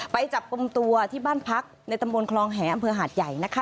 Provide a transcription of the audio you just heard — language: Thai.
ไปจับกลุ่มตัวที่บ้านพักในตำบลคลองแหอำเภอหาดใหญ่นะคะ